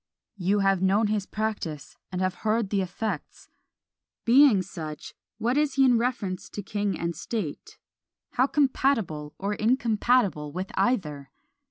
You have known his practice, and have heard the effects. Being such, what is he in reference to king and state; how compatible or incompatible with either?